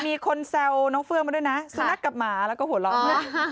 มีคนแซวน้องเฟืองมาด้วยนะสุนัขกับหมาแล้วก็หัวเราะ